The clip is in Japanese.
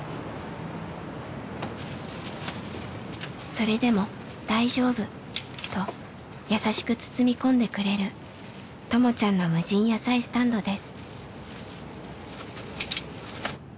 「それでも大丈夫」と優しく包み込んでくれるともちゃんの無人野菜スタンドです。